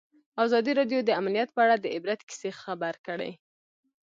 ازادي راډیو د امنیت په اړه د عبرت کیسې خبر کړي.